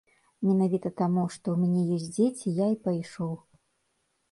Менавіта таму, што ў мяне ёсць дзеці, я і пайшоў.